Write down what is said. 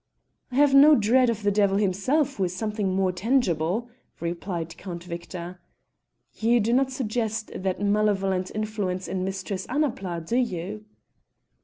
"I have no dread of the devil himself, who is something more tangible," replied Count Victor. "You do not suggest that malevolent influence in Mistress Annapla, do you?"